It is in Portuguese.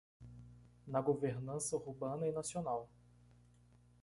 Na governança urbana e nacional